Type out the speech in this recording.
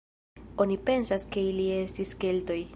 Oni pensas ke ili estis Keltoj.